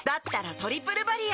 「トリプルバリア」